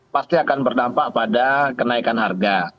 pasti akan berdampak pada kenaikan harga